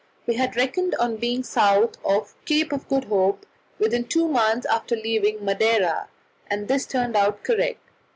We had reckoned on being south of the Cape of Good Hope within two months after leaving Madeira, and this turned out correct.